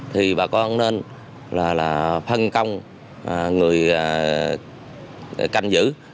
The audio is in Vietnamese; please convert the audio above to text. thì bà con nên là phân công người canh giữ